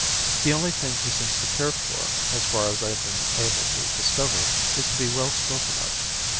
The only thing he seems to care for, as far as I have been able to discover, is to be well spoken of.